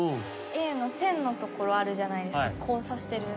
Ａの線のところあるじゃないですか交差してる。